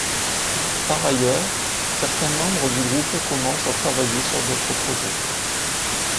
Par ailleurs, certains membres du groupe commencent à travailler sur d'autres projets.